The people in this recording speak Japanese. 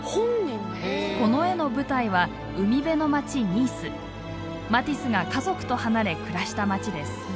この絵の舞台は海辺の町ニースマティスが家族と離れ暮らした町です。